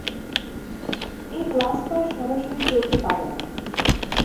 এই class file সরাসরি চলতে পারে না।